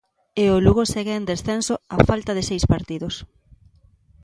E o Lugo segue en descenso á falta de seis partidos.